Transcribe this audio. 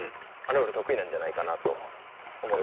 俺得意なんじゃないかなと思って。